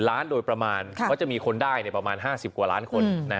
๕๖๐๐๐๐ล้านโดยประมาณเพราะจะมีคนได้ประมาณ๕๐กว่าล้านคน